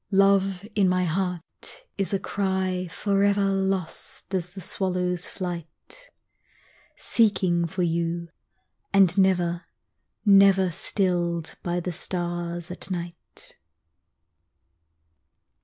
Love in my heart is a cry forever Lost as the swallow's flight, Seeking for you and never, never Stilled by the stars at night.